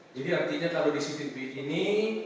jadi artinya kalau di cctv ini